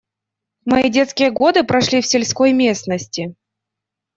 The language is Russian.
Мои детские годы прошли в сельской местности.